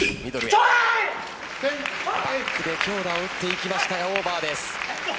バックで強打を打っていきましたがオーバーです。